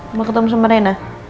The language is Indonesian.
mau ketemu sama rena